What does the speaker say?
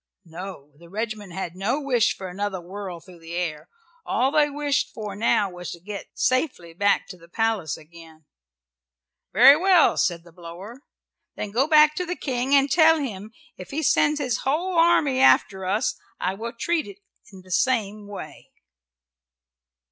No! the regiment had no wish for another whirl through the air. All they wished for now was to get safely back to the palace again. "Very well," said the blower. "Then go back to the King and tell him if he sends his whole army out after us I will treat it in the same way."